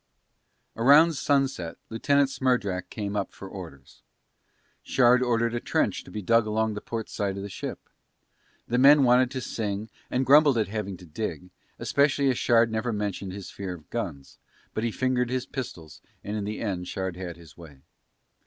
About sunset Lieutenant Smerdrak came up for orders. Shard ordered a trench to be dug along the port side of the ship. The men wanted to sing and grumbled at having to dig, especially as Shard never mentioned his fear of guns, but he fingered his pistols and in the end Shard had his way.